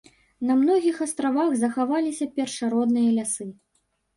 На многіх астравах захаваліся першародныя лясы.